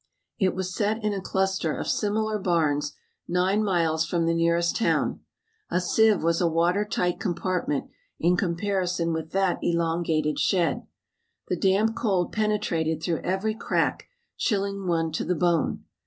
It was set in a cluster of similar barns nine miles from the nearest town. A sieve was a watertight compartment in comparison with that elongated shed. The damp cold penetrated through every crack, chilling one to the bone.